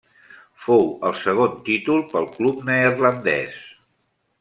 Fou el segon títol pel club neerlandès.